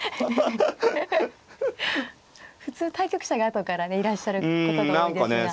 普通対局者があとからねいらっしゃることが多いですが。